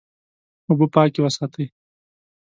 اوبه پاکې وساتئ.